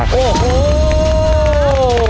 โอ้โห